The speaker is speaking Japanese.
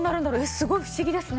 すごい不思議ですね。